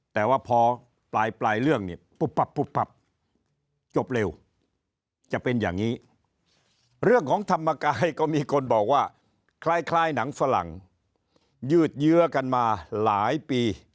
แต่ว่าพอปลายเรื่องเนี่ยปุ๊บปับปุ๊บปับ